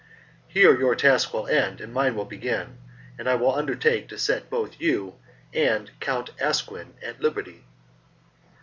"Here your task will end and mine will begin, and I will undertake to set both you and Count Asquin at liberty."